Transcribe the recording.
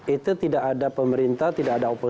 itu tidak ada pemerintahan yang bisa mengejutkan